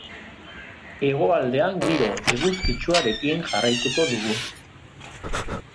Hegoaldean giro eguzkitsuarekin jarraituko dugu.